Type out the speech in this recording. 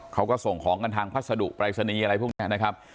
เขาก็ส่งของกันทางพัสดุปรายศนีย์อะไรพวกนี้นะครับ